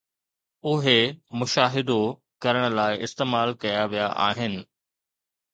اهي مشاهدو ڪرڻ لاء استعمال ڪيا ويا آهن